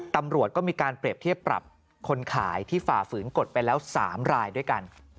ตำรวจก็มีการเปรียบเทียบปรับคนขายที่ฝ่าฝืนกฎไปแล้ว๓รายด้วยกัน